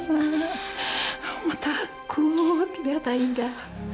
mama takut lihat aida